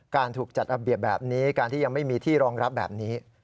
ถูกจัดระเบียบแบบนี้การที่ยังไม่มีที่รองรับแบบนี้